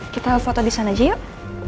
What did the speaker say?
kita foto di sana aja yuk